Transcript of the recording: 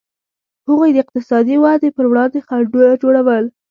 هغوی د اقتصادي ودې پر وړاندې خنډونه جوړول.